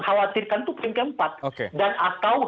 kalau tidak mau